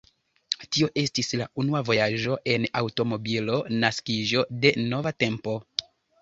Tio estis la unua vojaĝo en aŭtomobilo, naskiĝo de nova tempo.